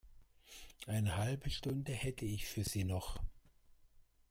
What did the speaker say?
Eine halbe Stunde hätte ich für Sie noch.